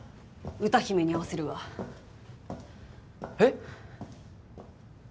歌姫に会わせるわえっ！？